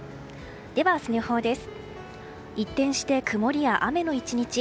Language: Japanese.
では明日の予報です。